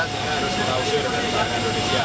sehingga harus kita usir dari indonesia